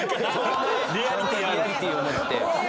リアリティーをもって。